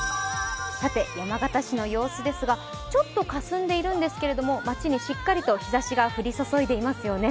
山形市の様子ですが、ちょっとかすんでいるんですが、町にしっかりと日ざしが降り注いでいますよね。